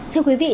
thưa quý vị